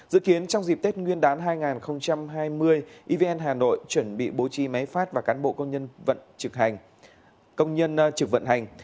dự kiến trong dịp tết nguyên đán hai nghìn hai mươi evn hà nội chuẩn bị bố trí máy phát và cán bộ công nhân trực vận hành